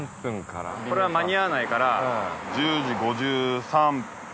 これは間に合わないから１０時５３。